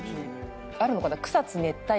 あるのかな？